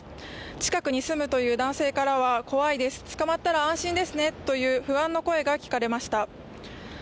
近くに住むという男性からは、怖いです捕まったら安心ですねという不安の声が聞かれました。